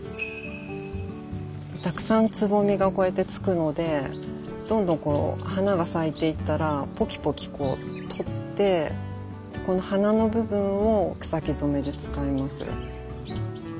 たくさんつぼみがこうやってつくのでどんどんこう花が咲いていったらポキポキこう取ってこの花の部分を草木染めで使います。